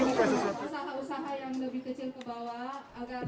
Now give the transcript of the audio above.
ini bukan sesuatu